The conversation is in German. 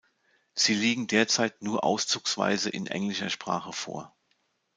Sie liegen derzeit nur auszugsweise in englischer Sprache vor.